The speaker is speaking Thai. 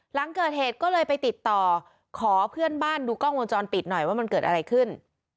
หลังเกิดเหตุก็เลยไปติดต่อขอเพื่อนบ้านดูกล้องวงจรปิดหน่อยว่ามันเกิดอะไรขึ้น